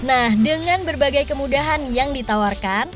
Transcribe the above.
nah dengan berbagai kemudahan yang ditawarkan